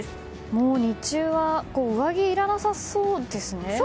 もう日中は上着、いらなさそうですね。